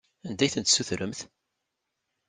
Anda ay tent-tessutremt?